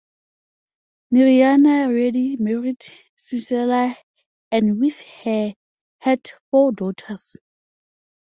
Naryana Reddy married Suseela and with her had four daughters.